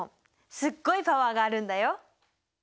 すっごいパワーがあるんだよ！